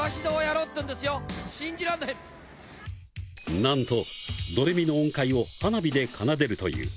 なんと、ドレミの音階を花火で奏でるという。